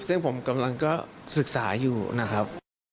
ซึ่งผมกำลังก็ศึกษาอยู่นะครับ